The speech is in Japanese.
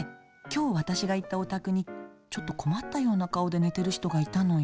きょう私が行ったお宅にちょっと困ったような顔で寝てる人がいたのよ。